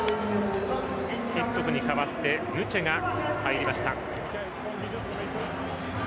キッツォフに代わってヌチェが入りました。